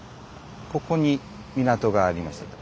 ここに港があります。